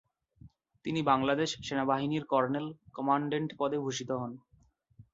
তিনি বাংলাদেশ সেনাবাহিনীর colonel commandant পদে ভূষিত হন।